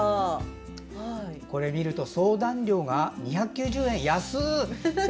これを見ると相談料が２９０円、安っ！